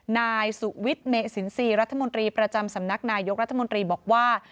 นายสุวิทย์เมสินทรีย์รัฐมนตรีประจำสำนักนายกรัฐมนตรีบอกว่า